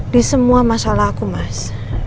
di semua masalah aku mas